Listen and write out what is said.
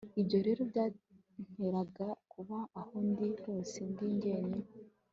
ibyo rero byanteraga kuba aho ndi hose ndi njyenyine